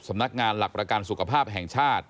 สำนักงานหลักประกันสุขภาพแห่งชาติ